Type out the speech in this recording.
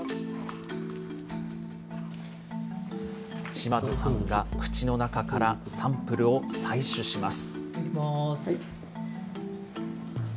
島津さんが口の中からサンプルを採取します。